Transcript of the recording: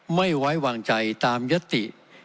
ไม่ไว้วางใจตามยติ